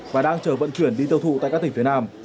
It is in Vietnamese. và đang chờ vận chuyển đi tiêu thụ tại các tỉnh phía nam